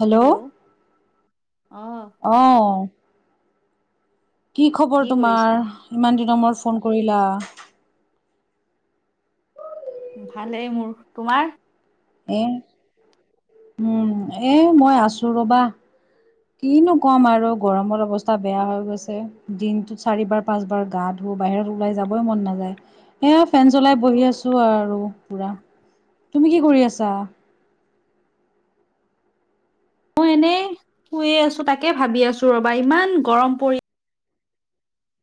Hello hello অঁহ। অঁ। কি খবৰ তোমাৰ? ইমান দিনৰ মূৰত ফোন কৰিলা। ভালেই মোৰ, তোমাৰ? এ উম, এ মই আছো ৰবা। কিনো কম আৰু গৰমৰ অৱস্থা বেয়া হৈ গৈছে, দিনটোত চাৰিবাৰ পাঁচবাৰ গা- ধোঁ বাহিৰত ওলাই যাবই মন নাযায়। সেইয়া ফেন চলাই বহি আছো আৰু পুৰা। তুমি কি কৰি আছা? মই এনেই শুয়ে আছো, তাকে ভাবি আছো ৰবা ইমান গৰম পৰি-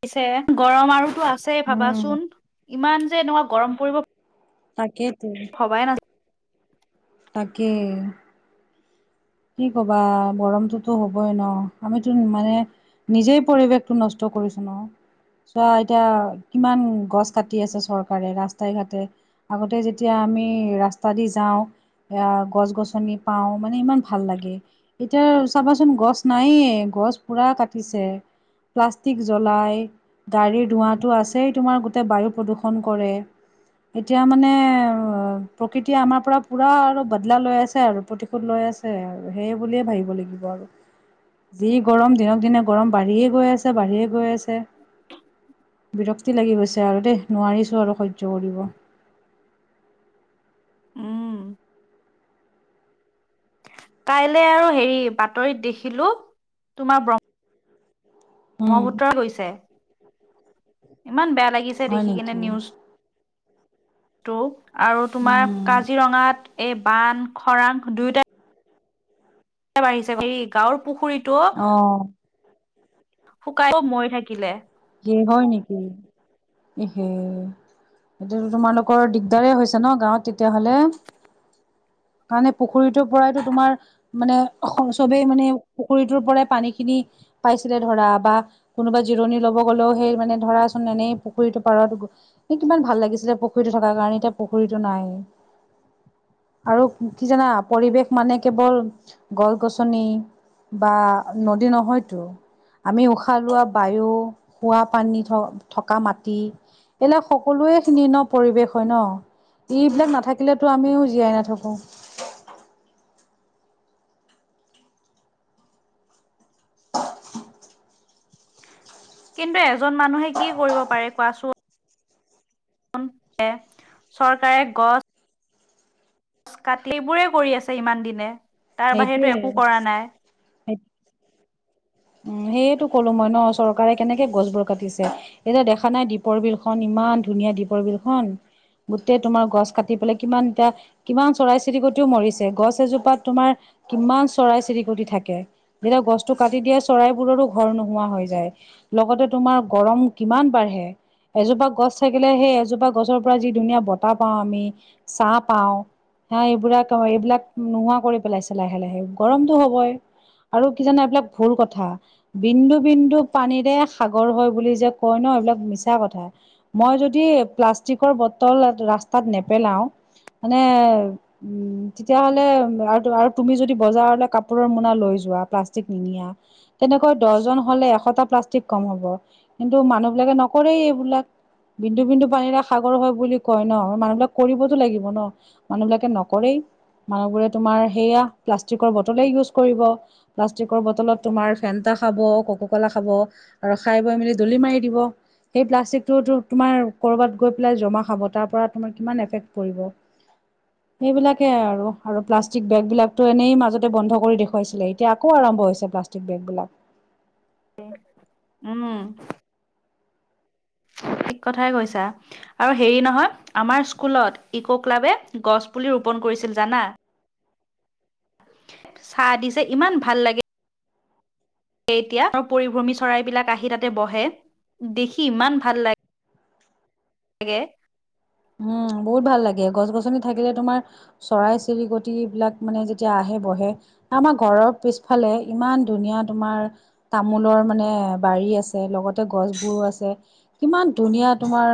পিছে গৰম আৰুতো আছে উম ভাবাচোন, ইমান যে এনেকুৱা গৰম পৰিব- তাকেতো। ভবাই নাছ- তাকে। কি কবা গৰমটোতো হবই ন, আমিতোন মানে- নিজেই পৰিৱেশটো নষ্ট কৰিছো নহয়। চোৱা এতিয়া কিমান গছ কাটি আছে চৰকাৰে ৰাস্তাই ঘাটে। আগতে যেতিয়া আমি ৰাস্তা দি যাওঁ এয়া গছ গছনি পাওঁ মানে ইমান- ভাল লাগে, এতিয়া চাবাচোন গছ নায়ে গছ পুৰা কাটিছে। প্লাষ্টিক জ্বলাই- গাড়ীৰ ধোঁৱাটো আছেই তোমাৰ গোটেই বায়ু প্ৰদূষণ কৰে। এতিয়া মানে প্ৰকৃতিয়ে আমাৰ পৰা পুৰা আৰু বদলা লৈ আছে আৰু প্ৰতিশোধ লৈ আছ- ছে আৰু সেই বুলিয়ে ভাবিব লাগিব আৰু। যি গৰম দিনক দিনে গৰম বাঢ়িয়ে গৈ আছে বাঢ়িয়ে গৈ আছে। বিৰক্তি লাগি গৈছে আৰু দেই, নোৱাৰিছো আৰু সহ্য কৰিব। উম কাইলে আৰু হেৰি বাতৰিত দেখিলো তোমাৰ ব্ৰম- উম ব্ৰহ্মপুত্ৰই গৈছে, ইমান বেয়া লাগিছে হয় দেখি কিনে নেকি নিউজ- টো আৰু তোমাৰ উম কাজিৰঙাত এই বান- খৰাং দুইটা [unintelligible] এই গাঁৱৰ পুখুৰীতো- অ শুকাই [unintelligible] থাকিলে। [unintelligible] হয় নেকি [unintelligible] এতিয়াতো তোমালোকৰ দিগদাৰে হৈছে ন' গাঁৱত তেতিয়া হ'লে। কাৰণে পুখুৰীটোৰ পৰাইতো তোমাৰ- মানে চবেই মানে পুখুৰীটোৰ পৰাই পানী খিনি পাইছিলে ধৰা বা কোনোবাই জিৰণি ল'ব- গ'লেও সেই মানে ধৰাচোন এনেই পুখুৰীটো পাৰত- সেই কিমান ভাল লাগিছিলে পুখুৰীতো থকাৰ কাৰণে এতিয়া পুখুৰীটো নাই। আৰু কি জানা পৰিৱেশ মানে কেৱল গছ গছনি বা নদী নহয়তো, আমি উশাহ লোৱা বায়ু খোৱা পানী থ-থকা মাটি এইবিলাক সকলোৱে খিনি ন' পৰিবেশ হয় ন'। এইবিলাক নাথাকিলেতো আমিও জীয়াই নাথাকো। কিন্তু এজন মানুহে কৰিব কোৱাচোন- এ, চৰকাৰে গছ কাটি এইবোৰে কৰি আছে ইমান দিনে তাৰ বাহিৰেটো একো সেইটোৱে কৰা নাই। [inaudible] উমঁ' সেইয়েতো ক'লো মই ন' চৰকাৰে কেনেকে গছবোৰ কাটিছে। এতিয়া দেখা নাই দ্বীপৰ বিলখন ইমান ধুনীয়া দীপৰ বিলখন- গোটেই তোমাৰ গছ কাটি পেলাই কিমান এতিয়া কিমান চৰাই-চিৰিকতিও মৰিছে। গছ এজোপাত তোমাৰ কিমান চৰাই-চিৰিকতি থাকে। যেতিয়া গছটো কাটি দিয়ে চৰাইবোৰৰো ঘৰ নোহোৱা হৈ যায়। লগতে তোমাৰ গৰম কিমান বাঢ়ে। এজোপা গছ থাকিলে সেই এজোপা গছৰ পৰা ধুনীয়া বতাহ পাওঁ আমি, চা পাওঁ। হা এইবিলাক হয়, এইবিলাক নোহোৱা কৰি পেলাইছে লাহে লাহে গৰমটো হবই। আৰু কি জানা এইবিলাক ভুল কথা। বিন্দু বিন্দু পানীৰে সাগৰ হয় বুলি যে কয় ন' এইবিলাক মিছা কথা। মই যদি প্লাষ্টিকৰ বটল ৰাস্তাত নেপেলাও মানে উমঁ' তেতিয়া হ'লে আৰুতো আৰু তুমি যদি বজাৰলৈ কাপোৰৰ মোনা লৈ যোৱা প্লাষ্টিক নিনিয়া তেনেকৈ দহজন হ'লে এশটা প্লাষ্টিক কম হ'ব। কিন্তু মানুহবিলাকে নকৰেই এইবিলাক। বিন্দু বিন্দু পানীৰে সাগৰ হয় বুলি কয় ন' মানুহ বিলাক কৰিবতো লাগিব ন'। মানুহবিলাকে নকৰেই মানুহবোৰে তোমাৰ সেইয়া প্লাষ্টিকৰ বটলে ইউজ কৰিব। প্লাষ্টিকৰ বটলত তোমাৰ ফেনটা খাব, ক'ক' ক'লা খাব- আৰু খাই বৈ মেলি দলি মাৰি দিব। সেই প্লাষ্টিকটোতো তোমাৰ ক'ৰবাত গৈ পেলাই জমা হ'ব, তাৰপৰা তোমাৰ কিমান এফেক্ট কৰিব। [unintelligible] সেইবিলাকে আৰু আৰু প্লাষ্টিক বেগ বিলাক টো এনেই মাজতে বন্ধ কৰি দেখুৱাইছিলে, এতিয়া আকৌ আৰম্ভ হৈছে প্লাষ্টিক বেগবিলাক। উমঁ'। ঠিক কথাই কৈছা। আৰু হেৰি নহয়, আমাৰ স্কুলত ইকো ক্লাবে গছ পুলি ৰোপন কৰিছিল জানা। চাহ দিছে ইমান ভাল লাগে। এতিয়া আৰু পৰিভ্ৰমী চৰাইবিলাক আহি তাতে বহে দেখি ইমান ভাল লাগে। লাগে। উম, বহুত ভাল লাগে গছ-গছনি থাকিলে তোমাৰ চৰাই-চিৰিকট বিলাক মানে যেতিয়া আহে বহে। আমাৰ ঘৰৰ পিছফালে ইমান ধুনীয়া তোমাৰ তামোলৰ মানে বাৰী আছে লগতে গছবোৰো আছে। কিমান ধুনীয়া তোমাৰ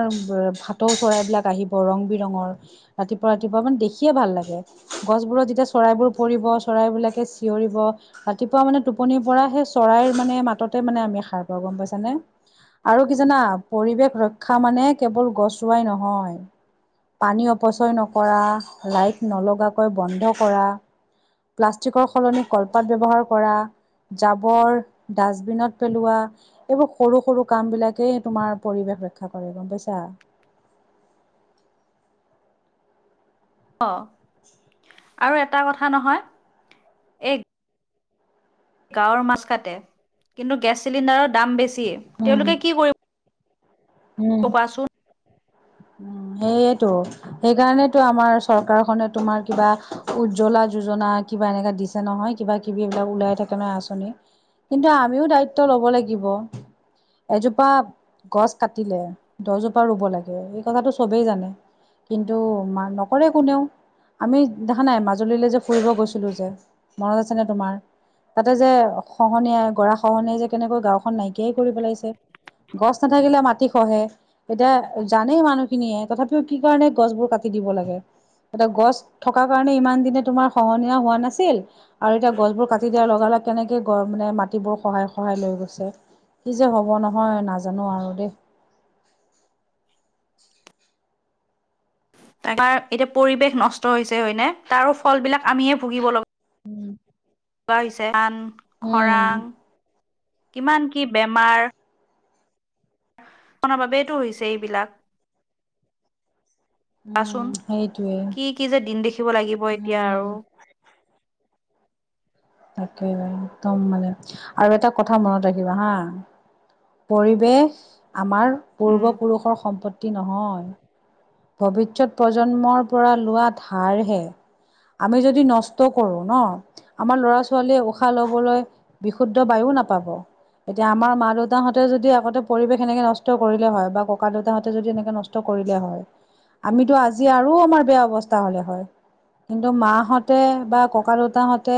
ভাটৌ চৰাইবলাক আহিব ৰং বিৰঙৰ। ৰাতিপুৱা, ৰাতিপুৱা মানে দেখিয়ে ভাল লাগে। গছবোৰত যেতিয়া চৰাইবোৰ পৰিব চৰাইবিলাকে চিঞৰিব। ৰাতিপুৱা মানে টোপনিৰ পৰা সেই চৰাইৰ মানে মাততে মানে আমি সাৰ পাওঁ গম পাইছানে। আৰু কি জানা পৰিৱেশ ৰক্ষা মানে কেৱল গছ ৰুৱাই নহয়। পানী অপচয় নকৰা, লাইট নলগাকৈ বন্ধ কৰা। প্লাষ্টিকৰ সলনি কলপাত ব্যৱহাৰ কৰা। জাবৰ ডাষ্টবিনত পেলোৱা। এইবোৰ সৰু, সৰু কাম বিলাকেই তোমাৰ পৰিৱেশ ৰক্ষা কৰে গম পাইছা। অ'আৰু এটা কথা নহয়? এই গাঁৱৰ মাছ কাতে, কিন্তু গেছ চিলিণ্ডাৰৰ দাম বেছি উম, তেওঁলোকে কি কৰিব ক উম। কোৱাচোন? উম, সেইয়টো। সেইকাৰণেতো আমাৰ চৰকাৰখনে তোমাৰ কিবা উজ্জ্বলা যোজনা কিবা এনেকা দিছে নহয় কিবা কিবি এইবিলাক ওলাই থাকে নহয় আঁচনি। কিন্তু আমিও দায়িত্ব ল'ব লাগিব। এজোপা গছ কাটিলে দহজোপা ৰুব লাগে এই কথাটো চবেই জানে। কিন্তু মা নকৰে কোনেও আমি দেখা নাই মাজুলীলৈ যে ফুৰিব গৈছিলো যে মনত আছেনে তোমাৰ? তাতে যে খহনীয়াই গৰা খহনীয়াই যে কেনেকৈ গাঁওখন নাইকিয়াই কৰি পেলাইছে। গছ নাথাকিলে মাটি খহে এতিয়া জানেই মানুহখিনিয়ে তথাপিও কি কাৰণে গছবোৰ কাটি দিব লাগে। এতিয়া গছ থকা কাৰণে ইমান দিনে তোমাৰ খহনীয়া হোৱা নাছিল। আৰু এতিয়া গছবোৰ কাটি দিয়াৰ লগে, লগে কেনেকে গ মানে মাটিবোৰ খহায়, খহায় লৈ গৈছে। কি যে হ'ব নহয় নাজানো আৰু দেই। এবাৰ এতিয়া পৰিবেশ নষ্ট হৈছে হয় নে? তাৰো ফল বিলাক আমিয়ে ভুগিব লগা উম, হৈছে আন, উম, খৰাং কিমান কি বেমাৰ নৰ বাবেইটো হৈছে এইবিলাক। উম, কোৱাচোন সেইটোৱে কি, কি যে দিন দেখিব লাগিব এতিয়া উম। আৰু। তাকেহে একদম মানে আৰু এটা কথা মনত ৰাখিবা হা পৰিৱেশ আমাৰ উম পূৰ্বপুৰুষৰ সম্পত্তি নহয়। ভৱিষ্যত প্ৰজন্মৰ পৰা লোৱা ধাৰহে আমি যদি নষ্ট কৰো ন। আমাৰ লৰা ছোৱালীয়ে উশাহ লবলৈ বিশুদ্ধ বায়ুও নাপাব। এতিয়া আমাৰ মা-দেউতাহঁতে যদি আগতে পৰিৱেশ এনেকে নষ্ট কৰিলে হয় বা ককা-দেউতাহঁতে যদি এনেকে নষ্ট কৰিলে হয় আমিতো আজি আৰু আমাৰ বেয়া অৱস্থা হলে হয়। কিন্তু মাহঁতে বা ককা-দেউতাহঁতে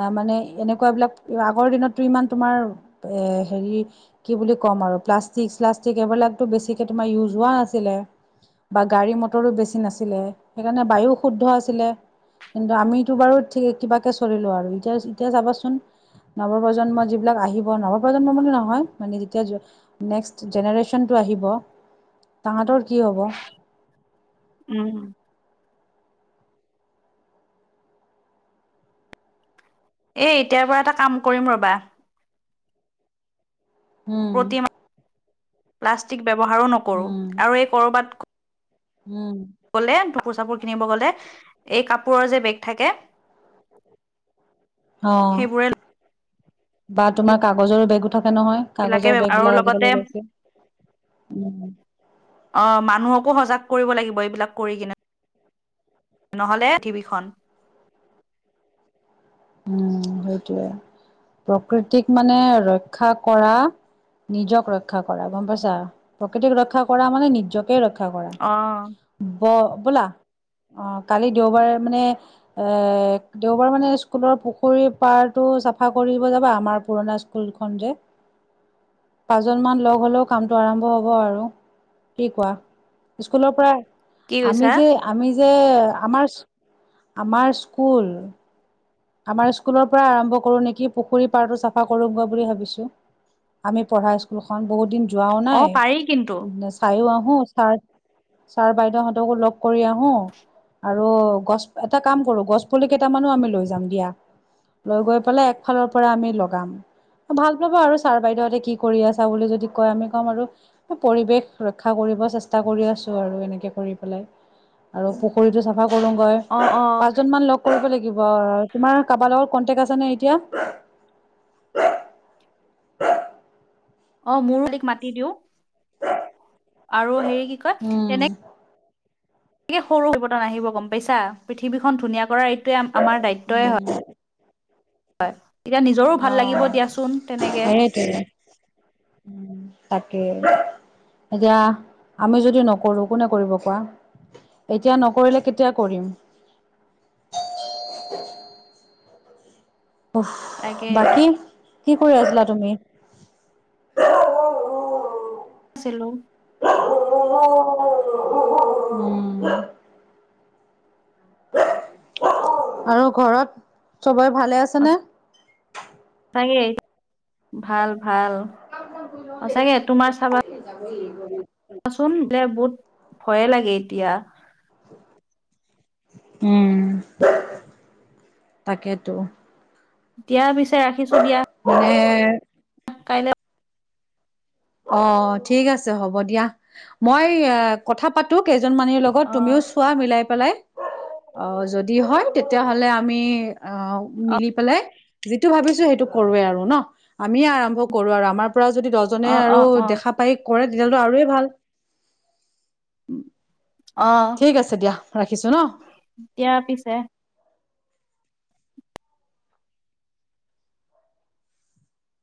অ' মানে এনেকুৱা বিলাক আগৰ দিনতটো ইমান তোমাৰ এ হেৰি কি বুলি ক'ম আৰু প্লাষ্টিক, শ্লাষ্টিক এইবিলাকতো বেছিকৈ তোমাৰ ইউজ হোৱা নাছিলে। বা গাড়ী মটৰো বেছি নাছিলে সেইকাৰণে বায়ো শুদ্ধ আছিলে কিন্তু আমিতো বাৰু ঠিক কিবাকে চলিলো আৰু এতিয়া এতিয়া চাবাচোন নৱপ্ৰজন্ম যিবিলাক আহিব নৱপ্ৰজন্ম বুলি নহয় মানে যেতিয়া নেক্সট জেনেৰেশ্যনটো আহিব তাঁহাতৰ কি হ'ব? উম উম। এই এতিয়াৰ পৰা এটা কাম কৰিম ৰ'বা, উম প্ৰতি [unintelligible] প্লাষ্টিক ব্যৱহাৰো নকৰো উম আৰু এই কৰবাত উম। গ'লে কাপোৰ চাপোৰ কিনিব গ'লে এই কাপোৰৰ যে বেগ থাকে অহ। সেইবোৰে বা তোমাৰ কাগজৰ বেগো থাকে নহয়। সেইবিলাকে কাগজৰ বেগ আৰু বিলাক লগতে আজিকালি ওলাইছে উম। অ মানুহকো সজাগ কৰিব লাগিব এইবিলাক কৰি কিনে। নহ'লে টিভিখন উম সেইটোয়ে, প্ৰকৃতিক মানে ৰক্ষা কৰা নিজক ৰক্ষা কৰা গম পাইছা? প্ৰকৃতিক ৰক্ষা কৰা মানে নিজকে ৰক্ষা কৰা। অ ব ব'লা, অ কালি দেওবাৰে মানে এ দেওবাৰ মানে কৰবা পুখুৰী পাৰটো চাফা কৰিব যাবা আমাৰ পুৰণা স্কুল খন যে। পাঁচজন মান লগ হ'লেও কামটো আৰম্ভ হব আৰু। কি কোৱা? স্কুলৰ পৰা কি আমি কৈছা? যে আমি যে আমাৰ আমাৰ স্কুল আমাৰ স্কুলৰ পৰা আৰম্ভ কৰো নেকি, পুখুৰী পাৰটো চাফা কৰো বুলি ভাবিছো। আমি পঢ়া স্কুলখন। বহুত দিন যোৱাও অ নাই পাৰি কিন্তু চাইও আহো ছাৰ ছাৰ বাইদেউহঁতকো লগ কৰি আহো। আৰু গছ এটা কাম কৰো গছ পুলি কেইটামানো আমি লৈ যাম। দিয়া। লৈ গৈ পেলে একফালৰ পৰা আমি লগাম। ভাল পাবা আৰু ছাৰ বাইদেউতে কি কৰি আছা বুলি যদি কয় আমি কম আৰু পৰিৱেশ ৰক্ষা কৰিব চেষ্টা কৰি আছো আৰু এনেকে কৰি পেলাই। আৰু পুখুৰীটো চাফা কৰোগৈ। অ অ পাঁচজন মান লগ কৰিব লাগিব তোমাৰ কাৰোবাৰ লগত কন্টেক আছে নে এতিয়া? [unintelligible] অ মোৰো মাতি দিও। [unintelligible] আৰু হেৰি কি কয় উম তেনে এ সৰু [unintelligible] আহিব গম পাইছা? পৃথিৱীখন ধুনীয়া কৰাৰ এইটয়ে আমাৰ দায়িত্বয়ই হয়। উম হয় এতিয়া নিজৰো অ লাগিব দিয়াচোন তেনেকে [inaudible] [inaudible] তাকে, এতিয়া আমি যদি নকৰো কোনে কৰিব কোৱা? এতিয়া নকৰিলে কেতিয়া কৰিম। উফ তাকে বাকী কৰি আছিলা তুমি? ছিলো। [unintelligible] উম। আৰু ঘৰত চবেই ভালে আছেনে? চাগে [inaudible] ভাল, ভাল সঁচাকে তোমাৰ চাবা এই যাব লাগিব মানে। [unintelligible] বহুত ভয়ে লাগে এতিয়া। উম, তাকেতো। দিয়া পিছে ৰাখিছো দিয়া। মানে কাইলে অ' ঠিক আছে হ'ব দিয়া মই ইয়া কথা পাতোঁ কেইজনমানীৰ লগত অ তুমিওচ চোৱা মিলাই পেলাই অ'যদি হয় তেতিয়া হ'লে আমি অ' মিলি পেলে যিটো ভাবিছো সেইটো কৰোৱে আৰু ন' আমিয়ে আৰম্ভ কৰো আৰু আমাৰ পৰা যদি দছজনে অ অ আৰু অ দেখা পাই কৰে তেতিয়াহ'লে টো আৰু এই ভাল। অ ঠিক আছে দিয়া ৰাখিছো ন'। দিয়া পিছে।